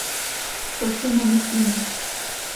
To si nemyslíme.